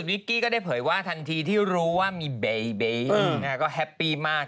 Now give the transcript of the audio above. วิกกี้ก็ได้เผยว่าทันทีที่รู้ว่ามีเบต